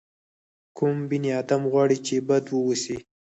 کوم بني ادم غواړي چې بد واوسي.